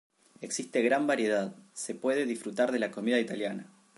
Existe gran variedad, se puede disfrutar de la comida Italiana.